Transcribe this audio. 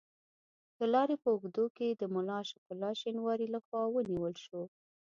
د لارې په اوږدو کې د ملا عاشق الله شینواري له خوا ونیول شو.